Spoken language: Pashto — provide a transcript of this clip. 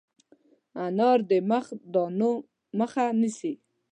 انار د مخ د دانو مخه نیسي.